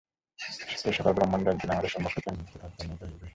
এই-সকল ব্রহ্মাণ্ড একদিন আমাদের সম্মুখ হইতে অন্তর্হিত হইবে।